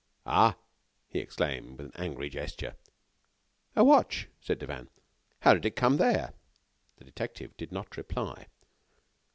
"Ah!" he exclaimed, with an angry gesture. "A watch," said Devanne. "How did it come there?" The detective did not reply.